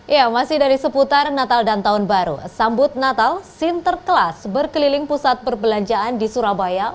ya masih dari seputar natal dan tahun baru sambut natal sinterklas berkeliling pusat perbelanjaan di surabaya